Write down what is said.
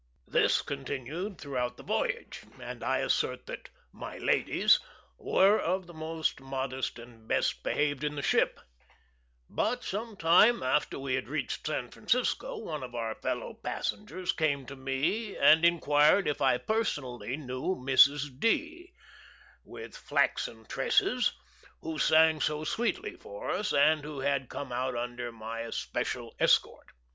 This continued throughout the voyage, and I assert that "my ladies" were of the most modest and best behaved in the ship; but some time after we had reached San Francisco one of our fellow passengers came to me and inquired if I personally knew Mrs. D , with flaxen tresses, who sang so sweetly for us, and who had come out under my especial escort.